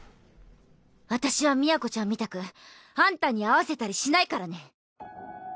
私は都ちゃんみたくあんたに合わせたりしないからね。